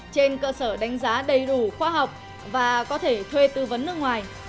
trên cơ sở đánh giá đầy đủ khoa học và có thể thuê tư vấn nước ngoài